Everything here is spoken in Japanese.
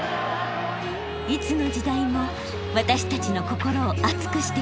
いつの時代も私たちの心を熱くしてくれたスポーツ。